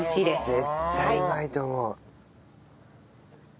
絶対うまいと思う。